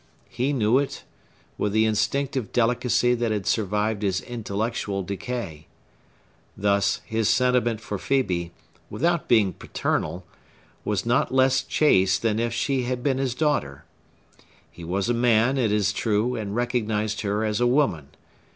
He knew it, with the instinctive delicacy that had survived his intellectual decay. Thus, his sentiment for Phœbe, without being paternal, was not less chaste than if she had been his daughter. He was a man, it is true, and recognized her as a woman.